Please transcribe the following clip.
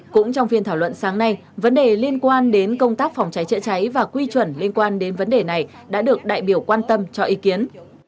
cũng trong phiên thảo luận sáng nay vấn đề liên quan đến công tác phòng cháy chữa cháy và quy chuẩn liên quan đến vấn đề này đã được đại biểu quan tâm cho ý kiến